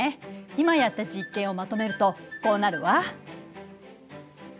今やった実験をまとめるとこうなるわ。